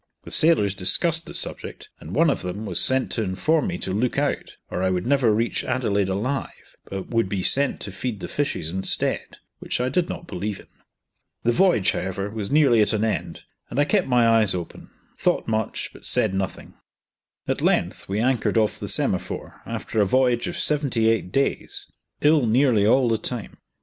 The sailors discussed the subject, and one of them was sent to inform me to look out, or I would never reach Adelaide alive, but would be sent to feed the fishes instead, which I did not believe in. The voyage, however, was nearly at an end, and I kept my eyes open; thought much, but said nothing, At length we anchored off the Semaphore after a voyage of seventy eight days, ill nearly all the time.